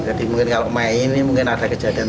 jadi mungkin kalau mei ini mungkin ada kejadian